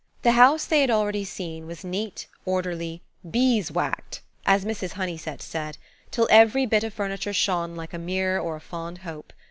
The house they had already seen was neat, orderly, "bees whacked," as Mrs. Honeysett said, till every bit of furniture shone like a mirror or a fond hope.